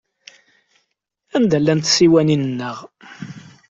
Anda llant tsiwanin-nneɣ?